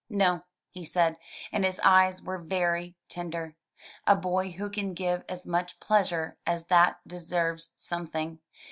"No, he said, and his eyes were very tender. "A boy who can give as much pleasure as that deserves something.